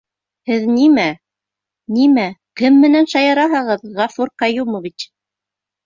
— Һеҙ нимә... нимә, кем менән шаяраһығыҙ, Ғәфүр Ҡәйүмович!